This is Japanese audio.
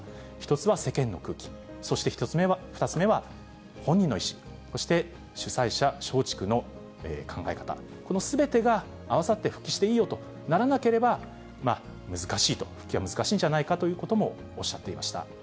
１つは世間の空気、そして２つ目は本人の意思、そして主催者、松竹の考え方、このすべてが合わさって復帰していいよとならなければ、難しいと、復帰は難しいんじゃないかということもおっしゃっていました。